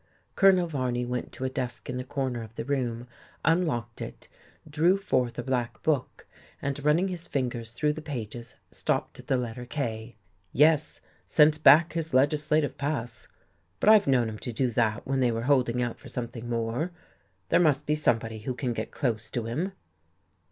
Colonel Varney went to a desk in the corner of the room, unlocked it, drew forth a black book, and running his fingers through the pages stopped at the letter K. "Yes, sent back his legislative pass, but I've known 'em to do that when they were holding out for something more. There must be somebody who can get close to him."